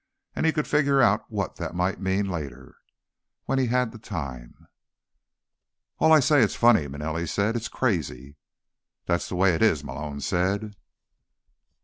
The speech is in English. And he could figure out what that might mean later, when he had the time. "All I say is, it's funny," Manelli said. "It's crazy." "That's the way it is," Malone said.